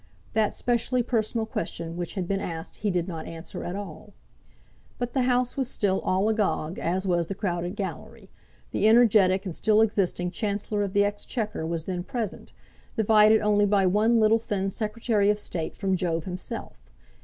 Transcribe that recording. That specially personal question which had been asked he did not answer at all. But the House was still all agog, as was the crowded gallery. The energetic and still existing Chancellor of the Exchequer was then present, divided only by one little thin Secretary of State from Jove himself.